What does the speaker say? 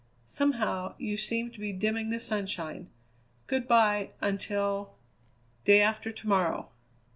Somehow you seem to be dimming the sunshine. Good bye until " "Day after to morrow."